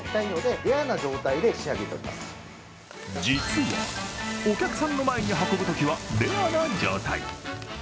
実は、お客さんの前に運ぶときはレアな状態。